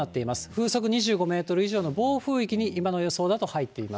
風速２５メートル以上の暴風域に今の予想だと入っています。